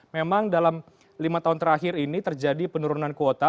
memang dalam lima tahun terakhir ini terjadi penurunan kuota